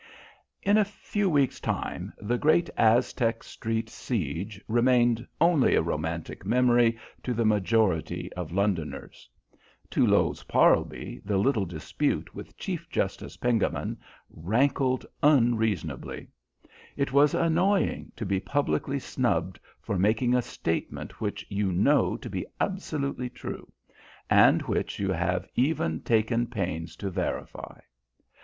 In a few weeks' time the great Aztec Street siege remained only a romantic memory to the majority of Londoners. To Lowes Parlby the little dispute with Chief Justice Pengammon rankled unreasonably. It is annoying to be publicly snubbed for making a statement which you know to be absolutely true, and which you have even taken pains to verify.